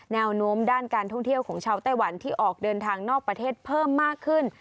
แนวโน้มด้านการท่องเที่ยวของชาวไต้หวันที่ออกเดินทางนอกประเทศเพิ่มมากขึ้น